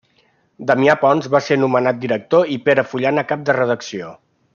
Damià Pons en va ser nomenat director i Pere Fullana cap de redacció.